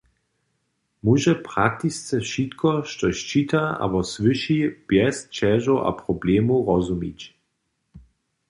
Móže praktisce wšitko, štož čita abo słyši, bjez ćežow a problemow rozumić.